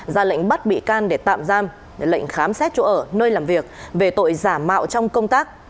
ra lệnh bắt bị can để tạm giam lệnh khám xét chỗ ở nơi làm việc về tội giả mạo trong công tác